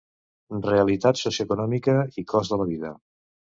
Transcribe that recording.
Realitat socioeconòmica i cost de la vida.